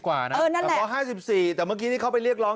๓๕๐กว่านะแบบ๑๕๔กว่าแต่เมื่อกี้ที่เขาไปเรียกร้อง